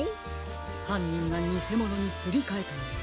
はんにんがにせものにすりかえたのです。